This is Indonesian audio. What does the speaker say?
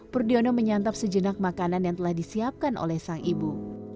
purdiono menyantap sejenak makanan yang telah disiapkan oleh sang ibu